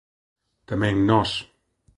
_Tamén nós...